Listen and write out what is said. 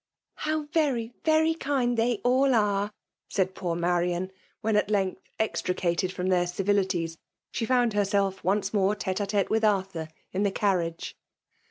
How very, very kind, they all are !" said poor Marian, when at length extricated from their civilities, she found herself once more iHeHi'tite with Arthur in the carriage.